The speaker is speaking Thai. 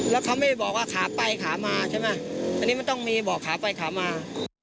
แล้วเขาไม่ได้บอกว่าขาไปขามาใช่ไหมอันนี้มันต้องมีบอกขาไปขามา